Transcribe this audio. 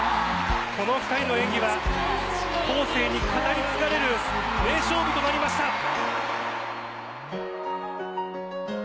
この２人の演技は後世に語り継がれる名勝負となりました。